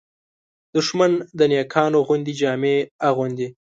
دښمن د نېکانو غوندې جامې اغوندي